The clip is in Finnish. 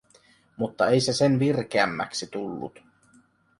Mutta ei se sen virkeämmäksi tullut.